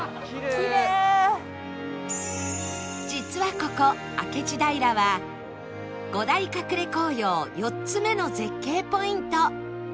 実はここ明智平は５大隠れ紅葉４つ目の絶景ポイント